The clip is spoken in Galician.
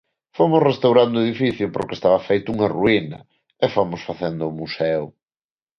Fomos restaurando o edificio, porque estaba feito unha ruína, e fomos facendo o museo.